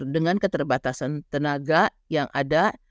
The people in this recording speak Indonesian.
dengan keterbatasan tenaga yang ada